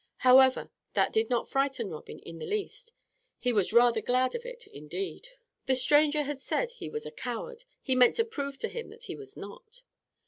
However, that did not frighten Robin in the least. He was rather glad of it indeed. The stranger had said he was a coward. He meant to prove to him that he was not.